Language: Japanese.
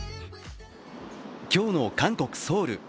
今日の韓国・ソウル。